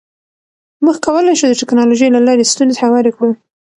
موږ کولی شو د ټکنالوژۍ له لارې ستونزې هوارې کړو.